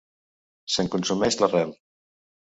Se’n consumeix l’arrel.